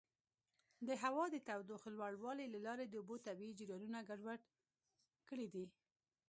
د هوا د تودوخې لوړوالي له لارې د اوبو طبیعي جریانونه ګډوډ کړي دي.